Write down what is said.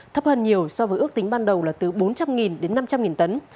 thấp hơn nhiều so với ước tính ban đầu là từ bốn trăm linh đến năm trăm linh tấn